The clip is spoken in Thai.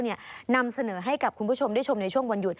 นำเสนอให้กับคุณผู้ชมได้ชมในช่วงวันหยุด